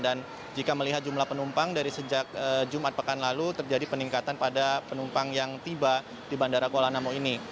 dan jika melihat jumlah penumpang dari sejak jumat pekan lalu terjadi peningkatan pada penumpang yang tiba di bandara kuala namu ini